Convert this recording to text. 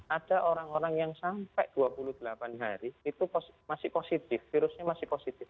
ada orang orang yang sampai dua puluh delapan hari itu masih positif virusnya masih positif